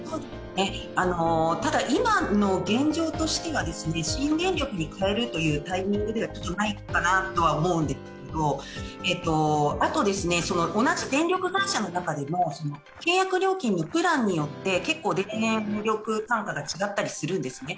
ただ、今の現状としては新電力に変えるというタイミングではないかなとは思うんですけどあと同じ電力会社の中でも契約料金プランによって結構、電力単価が違ったりするんですね。